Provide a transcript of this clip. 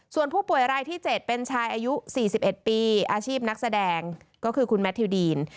ส่วนผู้ป่วยรายที่๗เป็นชายอายุ๔๑ปีอาชีพนักแสดงก็คือคุณแมททิวดีน